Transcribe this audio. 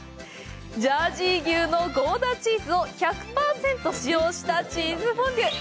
ジャージー牛のゴーダチーズを１００％使用したチーズフォンデュ。